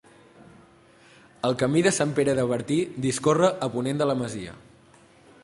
El Camí de Sant Pere de Bertí discorre a ponent de la masia.